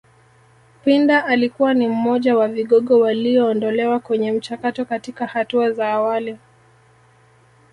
Pinda alikuwa ni mmoja wa vigogo walioondolewa kwenye mchakato katika hatua za awali